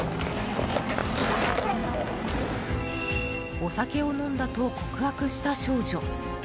お酒を飲んだと告白した少女。